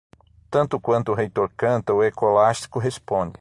Tanto quanto o reitor canta, o escolástico responde.